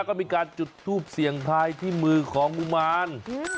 ก็มีการจุดทูปเสี่ยงทายที่มือของกุมาร